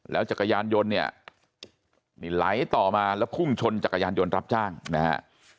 จักรยานยนต์เนี่ยนี่ไหลต่อมาแล้วพุ่งชนจักรยานยนต์รับจ้างนะฮะ